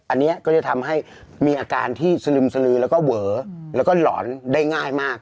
อันนี้ก็จะทำให้มีอาการที่สลึมสลือแล้วก็เวอแล้วก็หลอนได้ง่ายมาก